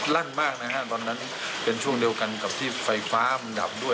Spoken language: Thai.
ลั่นมากนะฮะตอนนั้นเป็นช่วงเดียวกันกับที่ไฟฟ้ามันดับด้วย